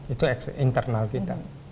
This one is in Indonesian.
itu internal kita